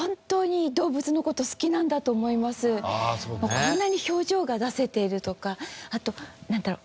こんなに表情が出せているとかあとなんだろう